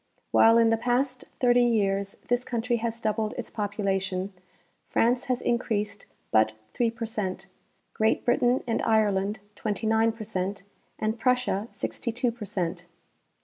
While in the past thirty years this country has doubled its population, France has increased but 3 per cent, Great Britain and Ireland 29 j^er cent, and Prussia 62 per cent.